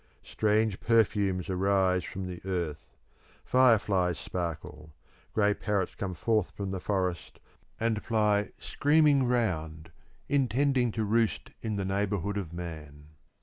Strange perfumes arise from the earth; fireflies sparkle; grey parrots come forth from the forest, and fly screaming round intending to roost in the neighbourhood of man.